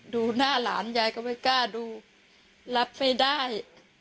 ดูหน้าหลานยายก็ไม่กล้าดูรับไม่ได้